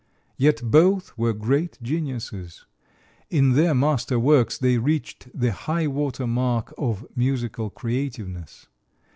Yet both were great geniuses; in their master works they reached the high water mark of musical creativeness.